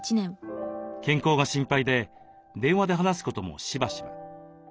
健康が心配で電話で話すこともしばしば。